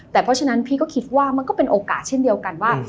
แต่เพราะฉะนั้นพี่ก็คิดว่ามันก็เป็นโอกาสเช่นเดียวกันว่า